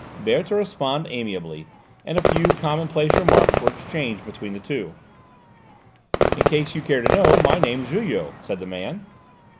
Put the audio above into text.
Berthe responded amiably, and a few commonplace remarks were exchanged between the two. "In case you care to know, my name's Julot," said the man.